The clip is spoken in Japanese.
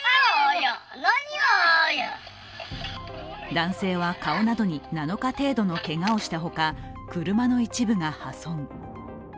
男性は顔などに７日程度のけがをしたほか車の一部が破損。